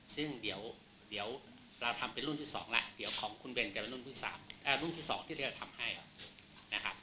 ซึ่งเดี๋ยวเราทำเป็นรุ่นที่๒แล้วเดี๋ยวของคุณเบนจะเป็นรุ่นที่๒ที่เราจะทำให้นะครับ